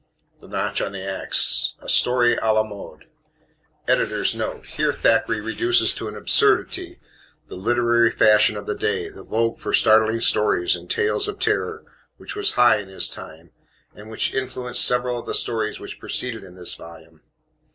The Notch on the Ax A Story a la Mode* * (Here Thackeray reduces to an absurdity the literary fashion of the day the vogue for startling stories and "Tales of Terror," which was high in his time, and which influenced several of the stories which precede in this volume.